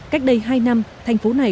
cách đây hai năm thành phố này